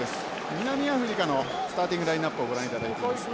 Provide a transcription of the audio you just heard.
南アフリカのスターティングラインアップをご覧いただいています。